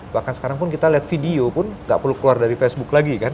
bahkan sekarang pun kita lihat video pun gak perlu keluar dari facebook lagi kan